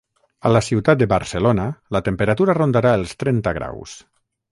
A la ciutat de Barcelona, la temperatura rondarà els trenta graus.